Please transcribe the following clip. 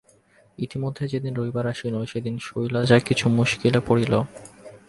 ইতিমধ্যে যেদিন রবিবার আসিল সেদিন শৈলজা কিছু মুশকিলে পড়িল।